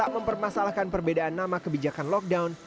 tak mempermasalahkan perbedaan nama kebijakan lockdown